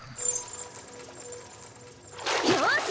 よし！